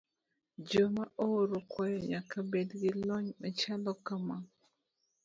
Joma oro kwayo nyaka bed gi lony machalo kama.